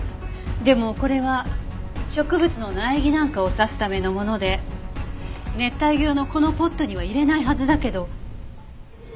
でもこれは植物の苗木なんかを挿すためのもので熱帯魚用のこのポットには入れないはずだけど。